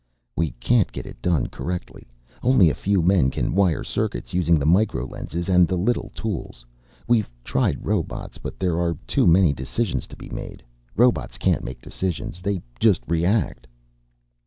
"We can't get it done correctly. Only a few men can wire circuits using the micro lenses and the little tools. We've tried robots, but there are too many decisions to be made. Robots can't make decisions. They just react."